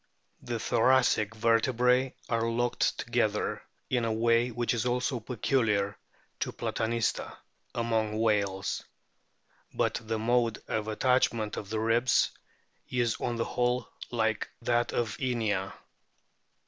The thoracic vertebrae are locked together in a way which is also peculiar to Platanista among whales ; but the mode of attachment of the ribs is on the whole like that of Inia.